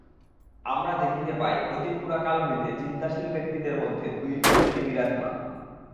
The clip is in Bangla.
আমরা দেখিতে পাই, অতি পুরাকাল হইতে চিন্তাশীল ব্যক্তিদের মধ্যে দুইটি শ্রেণী বিরাজমান।